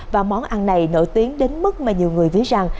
và món ăn này nổi tiếng đến mức mà nhiều người ví rằng